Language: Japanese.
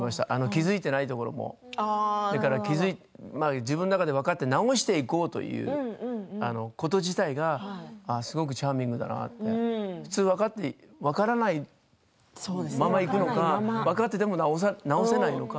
気付いていないところもそれから自分の中で分かって直していこうということ自体がすごくチャーミングだなって普通は分からない分からないままいくのか分かっていても直せないのか。